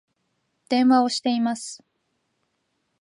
電話をしています